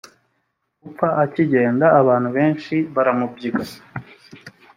gupfa akigenda abantu benshi baramubyiga